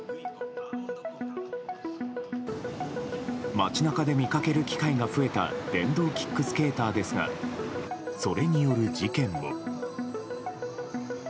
街中で見かける機会が増えた電動キックスケーターですがそれによる事件も。